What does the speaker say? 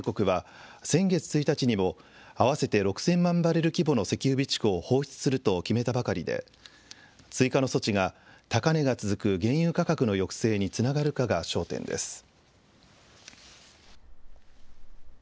ＩＥＡの加盟国は先月１日にも合わせて６０００万バレル規模の石油備蓄を放出すると決めたばかりで追加の措置が高値が続く原油価格の抑制につながるかが焦点です。